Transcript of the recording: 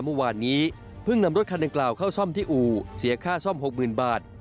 เมื่อวานนี้เพิ่งนำรถคันดังกล่าวเข้าซ่อมที่อู่เสียค่าซ่อม๖๐๐๐บาท